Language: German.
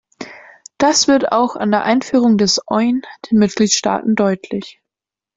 Das wird auch an der Einführung des Euin den Mitgliedstaaten deutlich.